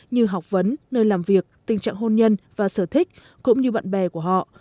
như học vấn nơi làm việc tình trạng hôn nhân và sở thích cũng như bạn bè của họ